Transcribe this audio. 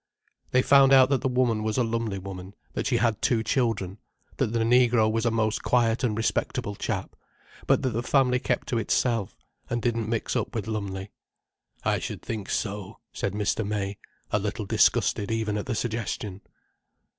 They found out that the woman was a Lumley woman, that she had two children, that the negro was a most quiet and respectable chap, but that the family kept to itself, and didn't mix up with Lumley. "I should think so," said Mr. May, a little disgusted even at the suggestion.